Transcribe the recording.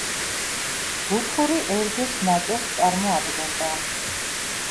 გუთური ერგეს ნაწილს წარმოადგენდა.